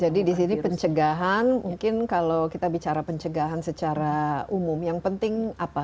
jadi disini pencegahan mungkin kalau kita bicara pencegahan secara umum yang penting apa